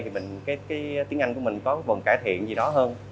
thì tiếng anh của mình có vần cải thiện gì đó hơn